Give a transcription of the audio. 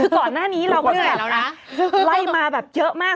คือก่อนหน้านี้เราก็นี่แหละไล่มาแบบเยอะมาก